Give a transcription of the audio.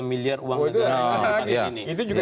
miliar uang negara yang memakai ini itu juga